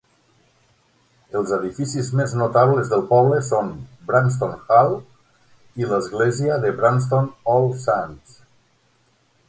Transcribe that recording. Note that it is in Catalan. Els edificis més notables del poble són Branston Hall i l'església Branston All Saints.